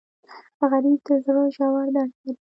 غریب د زړه ژور درد لري